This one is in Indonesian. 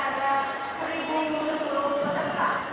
karena ini mengubah jatuh yang disatukan